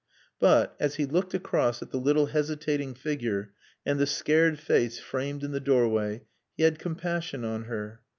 But, as he looked across at the little hesitating figure and the scared face framed in the doorway, he had compassion on her.